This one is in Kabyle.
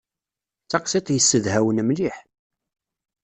D taqsiṭ yessedhawen mliḥ.